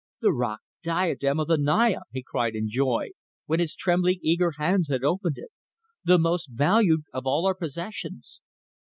"The Rock Diadem of the Naya!" he cried in joy, when his trembling, eager hands had opened it. "The most valued of all our possessions!"